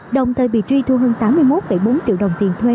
đồng thời bị truy thu hơn tám mươi một bốn triệu đồng tiền thuê